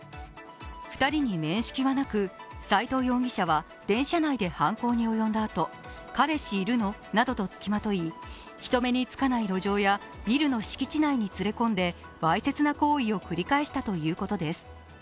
２人に面識はなく、斎藤容疑者は電車内で犯行に及んだあと、彼氏いるのなどとつきまとい、人目につかない路上やビルの敷地内に連れ込んでわいせつな行為を繰り返したということです。